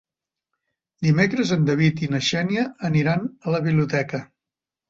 Dimecres en David i na Xènia aniran a la biblioteca.